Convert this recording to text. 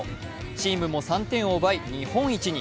チームも３点を奪い、日本一に。